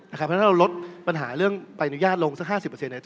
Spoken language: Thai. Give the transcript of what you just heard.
เพราะฉะนั้นเราลดปัญหาเรื่องใบอนุญาตลงสัก๕๐